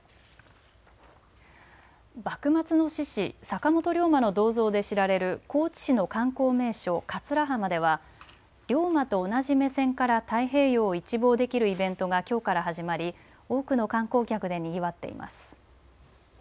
幕末の志士、坂本龍馬の銅像で知られる高知市の観光名所、桂浜では龍馬と同じ目線から太平洋を一望できるイベントがきょうから始まり多くの観光客でにぎわっています。